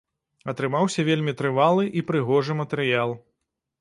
Атрымаўся вельмі трывалы і прыгожы матэрыял.